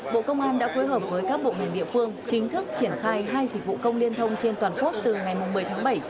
bộ công an đã phối hợp với các bộ ngành địa phương chính thức triển khai hai dịch vụ công liên thông trên toàn quốc từ ngày một mươi tháng bảy